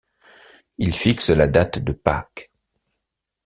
Il fixe la date de Pâques.